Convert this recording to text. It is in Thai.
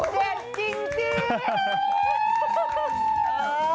เด็ดจริงจริง